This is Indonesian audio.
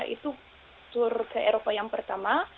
dua ribu tiga belas itu tur ke eropa yang pertama